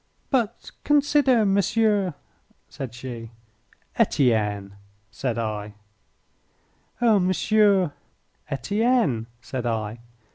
"But consider, Monsieur " said she. "Etienne," said I. "Oh, Monsieur " "Etienne," said I.